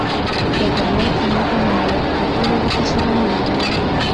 ډګروال خیمې ته ننوت او ټولو ورته سلامي ووهله